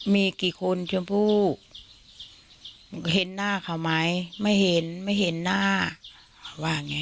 มีกี่คนชมพู่เห็นหน้าเขาไหมไม่เห็นไม่เห็นหน้าว่าไง